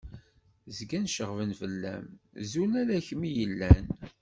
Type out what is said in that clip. Zgan ceɣben fell-am zun ala kemm i yellan!